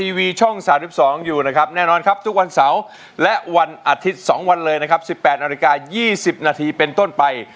วีช่อง๓๒อยู่นะครับแน่นอนครับทุกวันเสาร์และวันอาทิตย์๒วันเลยนะครับ๑๘นาฬิกา๒๐นาทีเป็นต้นไป